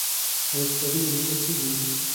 آیا کتابونه لیکل کیږي؟